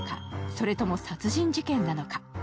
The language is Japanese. それとも殺人事件なのか？